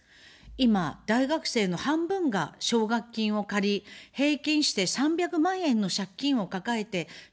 今大学生の半分が奨学金を借り、平均して３００万円の借金を抱えて社会に出ると言われています。